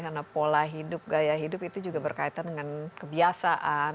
karena pola hidup gaya hidup itu juga berkaitan dengan kebiasaan